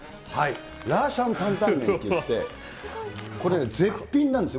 ラーシャン担々麺っていって、これね、絶品なんですよ。